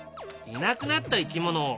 いなくなった生き物